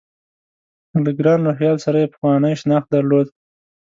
له ګران روهیال سره یې پخوانی شناخت درلود.